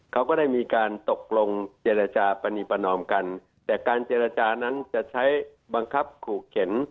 เขาก็ได้มีการตกลงเจรจาปรณีประนอมกันแต่การเจรจานั้นจะใช้บังคับขู่เข็น